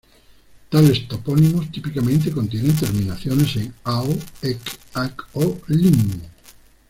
Tales topónimos típicamente contienen terminaciones en "-ao", "-ec", "-ac" o "-lin".